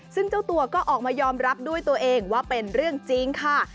ซึ่งเจ้าตัวก็ออกมายอมรับด้วยตัวเองว่าเป็นเรื่องจริงค่ะ